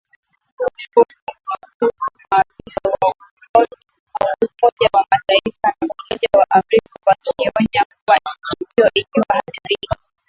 huku maafisa wa Umoja wa Mataifa na Umoja wa Afrika wakionya kuwa nchi hiyo iko hatarini